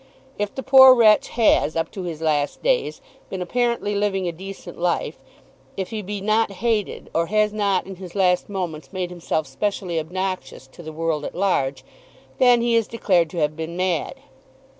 If the poor wretch has, up to his last days, been apparently living a decent life; if he be not hated, or has not in his last moments made himself specially obnoxious to the world at large, then he is declared to have been mad.